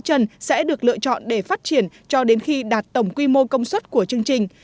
các dự án sẽ được lựa chọn để phát triển cho đến khi đạt tổng quy mô công suất của chương trình